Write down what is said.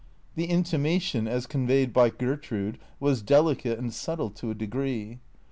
The intimation, as conveyed by Gertrude, was delicate and subtle to a degree.